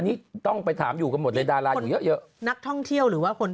ดาราอยู่กะละแม่ก็ไปเนอะ